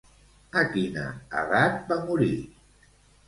A quina edat va morir?